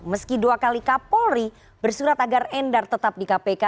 meski dua kali kapolri bersurat agar endar tetap di kpk